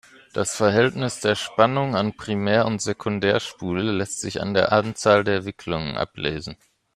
Das Verhältnis der Spannung an Primär- und Sekundärspule lässt sich an der Anzahl der Wicklungen ablesen.